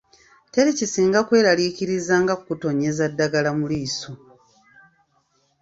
Teri kisinga kweralariikiriza nga kutonnyeza ddagala mu maaso.